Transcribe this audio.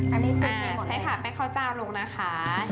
อันนี้สุดท้ายหมดเลยใช่ค่ะแม่เขาจ้างลงนะคะ